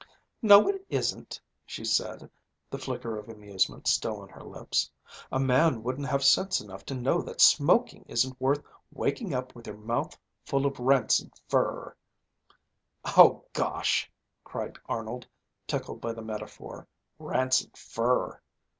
"No, it isn't!" she said, the flicker of amusement still on her lips. "A man wouldn't have sense enough to know that smoking isn't worth waking up with your mouth full of rancid fur." "Oh gosh!" cried Arnold, tickled by the metaphor: "rancid fur!"